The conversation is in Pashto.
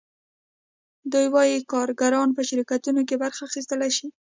دوی وايي کارګران په شرکتونو کې برخه اخیستلی شي